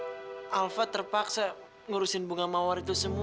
tapi eang bisa aja kan alva terpaksa ngurusin bunga mawar itu sendiri